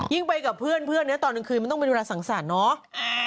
ยิ่งไปกับเพื่อนเนี่ยตอนกลางคืนมันต้องเป็นเวลาสังสารเนาะ